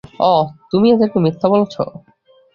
ওহ, তুমি ওদেরকে মিথ্যা বলছ?